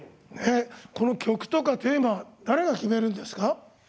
この曲とかテーマ誰が決めるんですか？